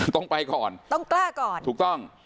ต้องไปก่อนต้องกล้าก่อนถูกต้อง